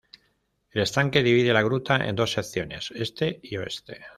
El estanque divide la gruta en dos secciones: este y oeste.